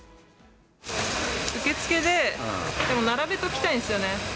受付で、並べておきたいんですよね。